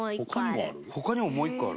伊達：他にも、もう１個ある？